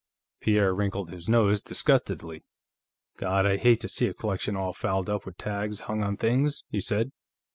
Pierre wrinkled his nose disgustedly. "God, I hate to see a collection all fouled up with tags hung on things!" he said.